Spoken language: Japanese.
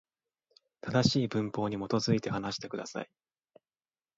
正しい文法に基づいて、話してください。